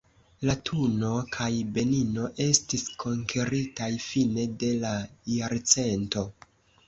Latuno kaj Benino estis konkeritaj fine de la jarcento.